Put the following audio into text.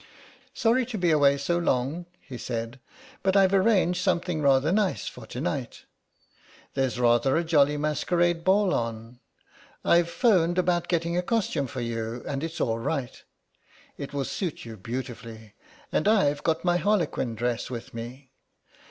"Sorry to be away so long," he said, "but I've arranged something rather nice for to night. There's rather a jolly masquerade ball on. I've 'phoned about getting a costume for you and it's alright. It will suit you beautifully, and I've got my harlequin dress with me.